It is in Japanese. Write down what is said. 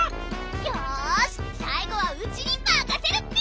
よしさいごはウチにまかせるッピ！